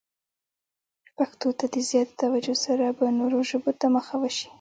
پښتو ته د زیاتې توجه سره به نورو ژبو ته مخه وشي.